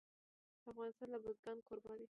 افغانستان د بزګان کوربه دی.